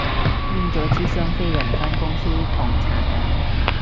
拎咗支雙飛人返公司狂搽緊